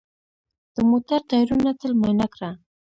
د موټر ټایرونه تل معاینه کړه.